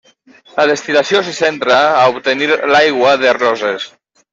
La destil·lació se centra a obtenir l'aigua de roses.